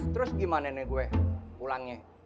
terus gimana nih gue pulangnya